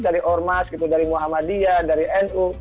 dari ormas gitu dari muhammadiyah dari nu